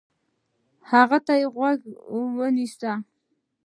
هغه ته غوږ ونیسئ،